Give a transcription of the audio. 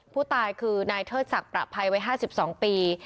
ผู้ตายคือนายเทิดศักดิ์ประภัยวัย๕๒ปี